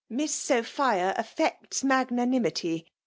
Miss Sophia affects magnanimity.